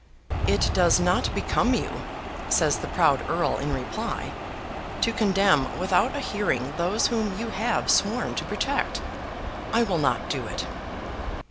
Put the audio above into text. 'It does not become you,' says the proud Earl in reply, 'to condemn without a hearing those whom you have sworn to protect. I will not do it.